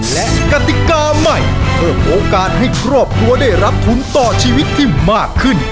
และกติกาใหม่เพิ่มโอกาสให้ครอบครัวได้รับทุนต่อชีวิตที่มากขึ้น